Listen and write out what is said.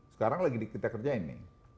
sekarang lagi kita kerjain nih